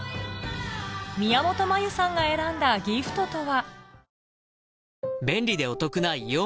宮本茉由さんが選んだギフトとは？